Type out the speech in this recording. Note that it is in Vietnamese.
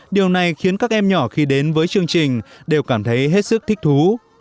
điều này khiến các em nhỏ khi đến với chương trình đều cảm thấy hết sức thích thú